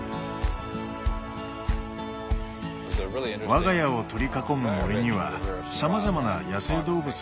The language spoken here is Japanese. わが家を取り囲む森にはさまざまな野生動物がやってきます。